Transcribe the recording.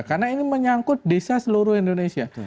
karena ini menyangkut desa seluruh indonesia